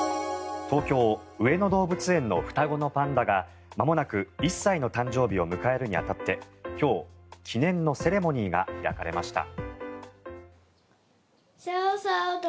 東京・上野動物園の双子のパンダがまもなく１歳の誕生日を迎えるに当たって今日、記念のセレモニーが開かれました。